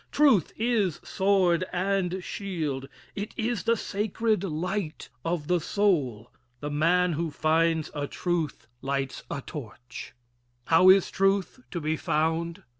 Truth is sword and shield. It is the sacred light of the soul. The man who finds a truth lights a torch. How is Truth to be Found?